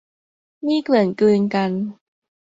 หนี้เกลื่อนกลืนกัน